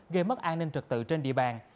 gây mất an ninh trực tự trên địa bàn